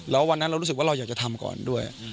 แล้ววันนั้นเรารู้สึกว่าเราอยากจะทำก่อนด้วย